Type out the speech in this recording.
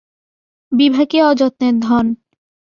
বিভা কি অযত্নের ধন।